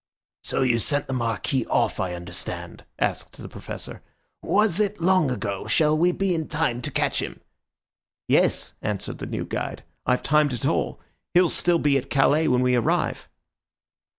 "So you sent the Marquis off, I understand," asked the Professor. "Was it long ago? Shall we be in time to catch him?" "Yes," answered the new guide, "I've timed it all. He'll still be at Calais when we arrive."